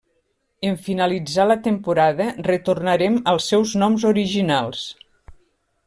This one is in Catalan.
En finalitzar la temporada retornaren als seus noms originals.